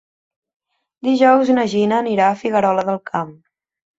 Dijous na Gina anirà a Figuerola del Camp.